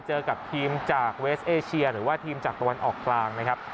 เจอกับทีมจากเวสเอเชียหรือว่าทีมจากตะวันออกกลางนะครับ